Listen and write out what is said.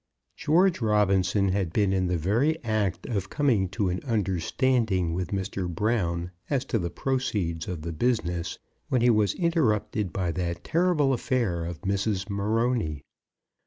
George Robinson had been in the very act of coming to an understanding with Mr. Brown as to the proceeds of the business, when he was interrupted by that terrible affair of Mrs. Morony.